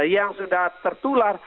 yang sudah tertular